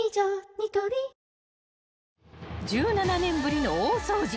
ニトリ［１７年ぶりの大掃除